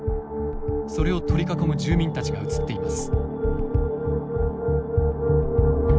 それを取り囲む住民たちが写っています。